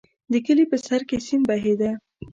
د کلي په سر کې سیند بهېده.